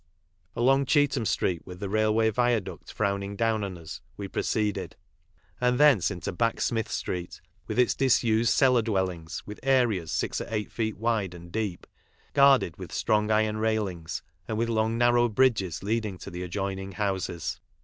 Along Cheetham street, with the railway viaduct frowniDg down onus, we proceeded: and thence into CRIMINAL MANCHESTER — UNDER TIT Back Smith street, with its disused cellar dwellings, with areas six or eight feet wide and deep, guarded with strong iron railings and with long narrow bridges leading to the adjoining houses.